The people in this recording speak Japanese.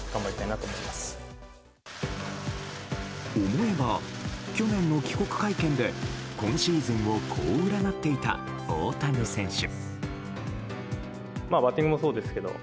思えば去年の帰国会見で今シーズンをこう占っていた大谷選手。